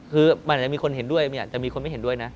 คือมันอาจจะมีคนเห็นด้วยมันอาจจะมีคนไม่เห็นด้วยนะ